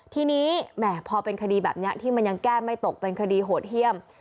ทีนี้แหมพอเป็นคดีแบบนี้ที่มันยังแก้ไม่ตกเป็นคดีโหดเยี่ยม